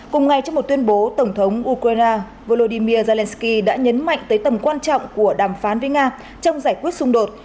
cùng ngày trong một tuyên bố tổng thống ukraine volodymyr zelenskyy đã nhấn mạnh tới tầm quan trọng của đàm phán với nga trong giải quyết xung đột